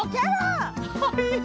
はい。